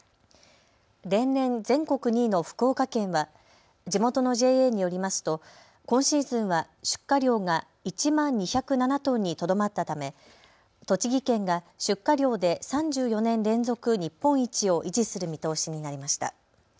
例年、全国２位の福岡県は地元のＪＡによりますと今シーズンは出荷量が１万２０７トンにとどまったため栃木県が出荷量で３４年連続日本一を維持する見通しになりました。